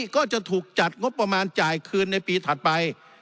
ก็จะถูกจัดงบประมาณจ่ายคืนในปีถัดไป